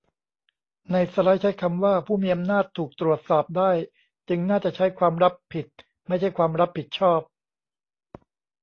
ในสไลด์ใช้คำว่า 'ผู้มีอำนาจถูกตรวจสอบได้' จึงน่าจะใช้ 'ความรับผิด' ไม่ใช่ 'ความรับผิดชอบ'